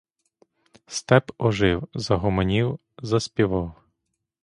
Степ ожив, загомонів, заспівав.